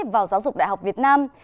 vào giáo dục đại học việt nam